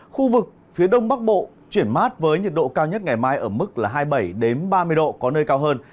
khu vực phía đông bắc bộ chuyển mát với nhiệt độ cao nhất ngày mai ở mức hai mươi bảy ba mươi độ có nơi cao hơn